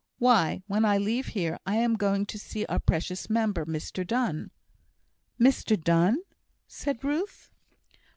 Why, when I leave here, I am going to see our precious member, Mr Donne " "Mr Donne?" said Ruth.